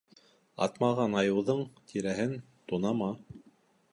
Атмаған айыуҙың тиреһен тунама.